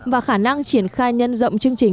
và khả năng triển khai nhân rộng chương trình